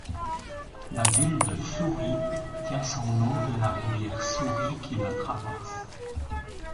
La ville de Souris tient son nom de la rivière Souris, qui la traverse.